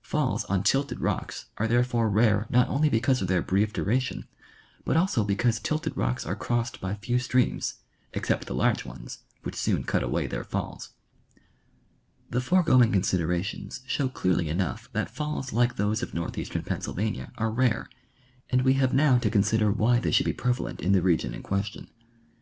Falls on tilted rocks are therefore rare not only because of their brief duration, but also because tilted rocks are crossed by few streams, except the large ones, which soon cut away their falls. The foregoing considerations show clearly enough that falls like those of northeastern Pennsylvania are rare, and we have now to consider why they should be prevalent in the region in question.